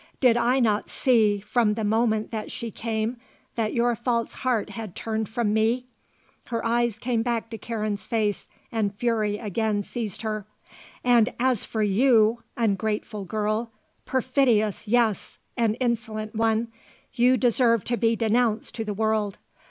Did I not see, from the moment that she came, that your false heart had turned from me?" Her eyes came back to Karen's face and fury again seized her. "And as for you, ungrateful girl perfidious, yes, and insolent one you deserve to be denounced to the world.